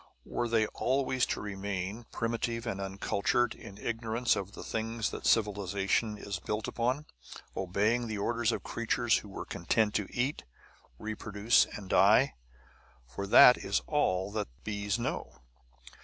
Were they always to remain, primitive and uncultured, in ignorance of the things that civilization is built upon, obeying the orders of creatures who were content to eat, reproduce, and die? For that is all that bees know!